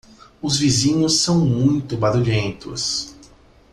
Os vizinhos são muito barulhentos.